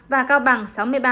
và cao bằng sáu mươi ba hai